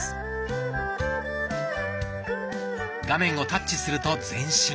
画面をタッチすると前進。